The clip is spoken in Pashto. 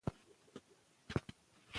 چې ګړدود څنګه منځ ته راځي؟